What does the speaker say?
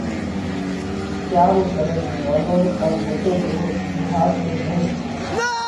ڪيا رو ڪرل نونو ڪا موٽو ۮوه وِيهارشي نئين۔